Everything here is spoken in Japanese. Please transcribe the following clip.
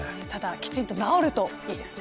きちんと直るといいですね。